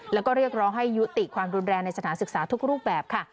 แล้วก็เรียกร้องให้ยุติความรุนแรงในสถานศึกษาทุกรูปแบบค่ะ